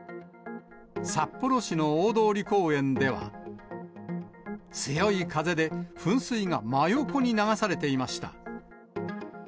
札幌市の大通公園では、強い風で、噴水が真横に流されていました。